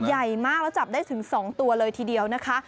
ใหญ่มากแล้วจับได้ถึง๒ตัวเลยทีเดียวนะคะ